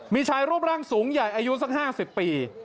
มีชายรูปร่างสูงใหญ่อายุสัก๕๐ปี